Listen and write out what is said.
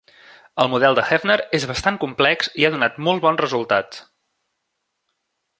El model de Hefner és bastant complex i ha donat molt bons resultats.